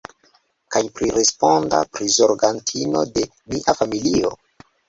Kaj priresponda prizorgantino de mia familio?